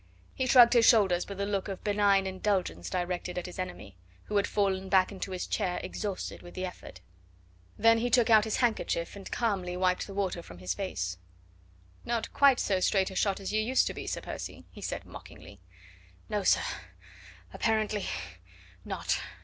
He shrugged his shoulders with a look of benign indulgence directed at his enemy, who had fallen back into his chair exhausted with the effort. Then he took out his handkerchief and calmly wiped the water from his face. "Not quite so straight a shot as you used to be, Sir Percy," he said mockingly. "No, sir apparently not."